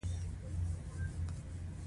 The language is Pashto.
فقره تشریحي جملې لري.